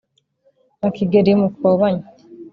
na kigeli mukobanya